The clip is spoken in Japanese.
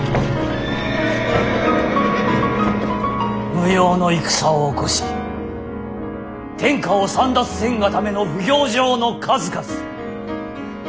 無用の戦を起こし天下を簒奪せんがための不行状の数々許し難し。